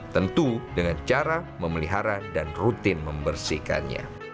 tentu dengan cara memelihara dan rutin membersihkannya